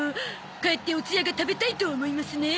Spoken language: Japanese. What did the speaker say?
帰っておつやが食べたいと思いますねえ